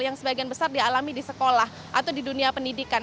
yang sebagian besar dialami di sekolah atau di dunia pendidikan